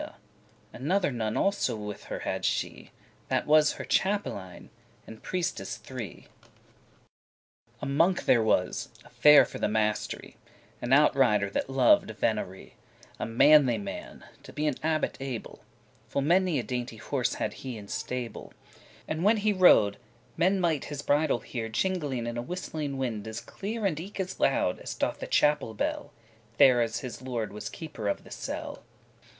* *love conquers all* Another Nun also with her had she, [That was her chapelleine, and PRIESTES three.] A MONK there was, a fair *for the mast'ry*, *above all others*<14> An out rider, that loved venery*; *hunting A manly man, to be an abbot able. Full many a dainty horse had he in stable: And when he rode, men might his bridle hear Jingeling <15> in a whistling wind as clear, And eke as loud, as doth the chapel bell, There as this lord was keeper of the cell.